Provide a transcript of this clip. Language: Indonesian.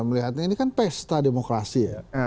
melihatnya ini kan pesta demokrasi ya